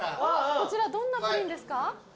こちらどんなプリンですか？